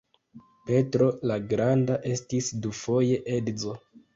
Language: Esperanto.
Petro la Granda estis dufoje edzo.